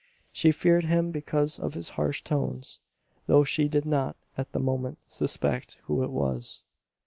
She feared him because of his harsh tones, though she did not, at the moment, suspect who it was.